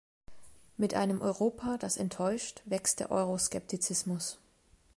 Mit einem Europa, das enttäuscht, wächst der Euroskeptizismus.